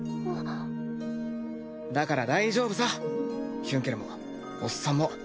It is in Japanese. だから大丈夫さヒュンケルもおっさんも。